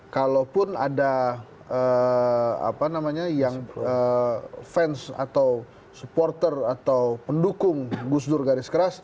kalaupun ada fans atau supporter atau pendukung gus dur garis keras